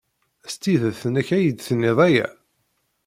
S tidet-nnek ay d-tenniḍ aya?